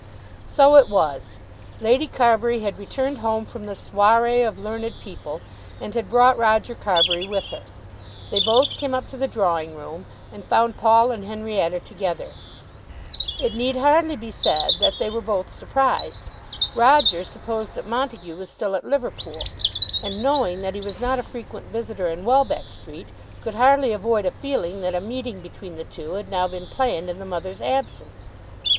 So it was. Lady Carbury had returned home from the soirée of learned people, and had brought Roger Carbury with her. They both came up to the drawing room and found Paul and Henrietta together. It need hardly be said that they were both surprised. Roger supposed that Montague was still at Liverpool, and, knowing that he was not a frequent visitor in Welbeck Street, could hardly avoid a feeling that a meeting between the two had now been planned in the mother's absence.